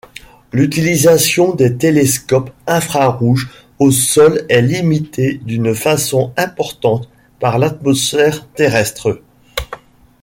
L'utilisation des télescopes infrarouges au sol est limitée d'une façon importante par l'atmosphère terrestre.